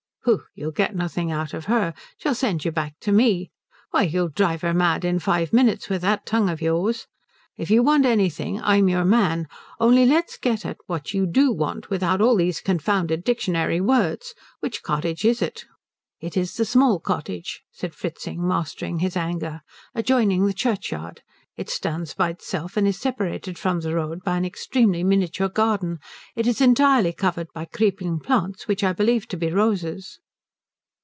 "Pooh you'll get nothing out of her. She'll send you back to me. Why, you'd drive her mad in five minutes with that tongue of yours. If you want anything I'm your man. Only let's get at what you do want, without all these confounded dictionary words. Which cottage is it?" "It is the small cottage," said Fritzing mastering his anger, "adjoining the churchyard. It stands by itself, and is separated from the road by an extremely miniature garden. It is entirely covered by creeping plants which I believe to be roses."